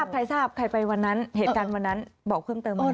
ใครทราบใครไปวันนั้นเหตุการณ์วันนั้นบอกเพิ่มเติม